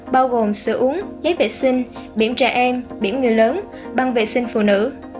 bao gồm sữa uống chế vệ sinh biển trẻ em biển người lớn băng vệ sinh phụ nữ